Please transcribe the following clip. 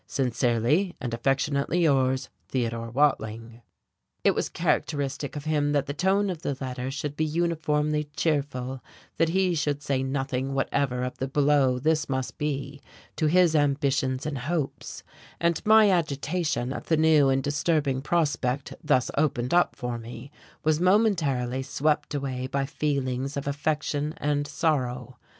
Sincerely and affectionately yours, Theodore Watling." It was characteristic of him that the tone of the letter should be uniformly cheerful, that he should say nothing whatever of the blow this must be to his ambitions and hopes; and my agitation at the new and disturbing prospect thus opened up for me was momentarily swept away by feelings of affection and sorrow.